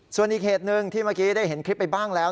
ส่วนอีกเหตุหนึ่งที่เมื่อกี้ได้เห็นคลิปไปบ้างแล้ว